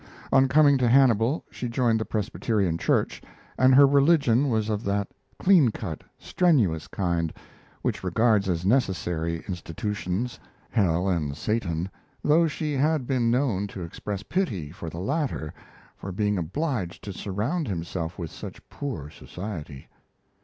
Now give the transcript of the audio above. On coming to Hannibal, she joined the Presbyterian Church, and her religion was of that clean cut, strenuous kind which regards as necessary institutions hell and Satan, though she had been known to express pity for the latter for being obliged to surround himself with such poor society.